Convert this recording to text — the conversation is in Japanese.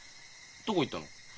どこ行ったの？